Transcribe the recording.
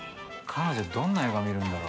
彼女どんな映画見るんだろ？